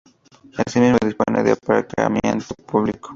Asimismo dispone de aparcamiento público.